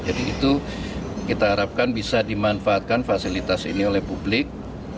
jadi itu kita harapkan bisa dimanfaatkan fasilitas ini oleh publik